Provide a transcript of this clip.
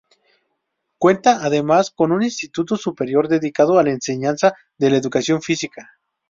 Cuenta además con un Instituto Superior dedicado a la enseñanza de la Educación Física.